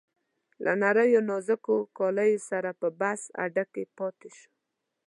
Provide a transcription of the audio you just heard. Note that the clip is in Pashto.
له نریو نازکو کالیو سره په بس اډه کې پاتې شو.